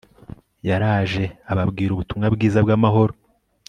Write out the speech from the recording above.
yaraje ababwira ubutumwa bwiza bw'amahoro